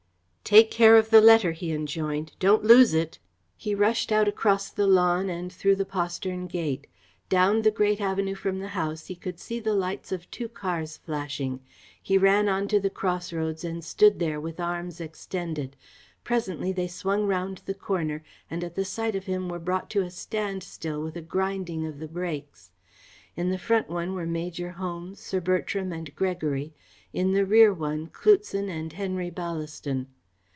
"Take care of the letter," he enjoined. "Don't lose it." He rushed out across the lawn and through the postern gate. Down the great avenue from the house he could see the lights of two cars flashing. He ran on to the crossroads and stood there with arms extended. Presently they swung round the corner, and at the sight of him were brought to a standstill with a grinding of the brakes. In the front one were Major Holmes, Sir Bertram and Gregory, in the rear one Cloutson and Henry Ballaston.